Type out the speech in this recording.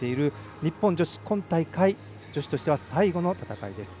日本女子今大会、女子としては最後の戦いです。